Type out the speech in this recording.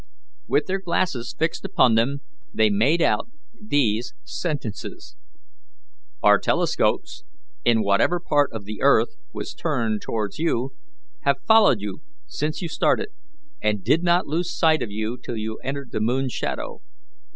With their glasses fixed upon them, they made out these sentences: "Our telescopes, in whatever part of the earth was turned towards you, have followed you since you started, and did not lose sight of you till you entered the moon's shadow.